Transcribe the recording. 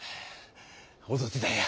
踊ってたんや。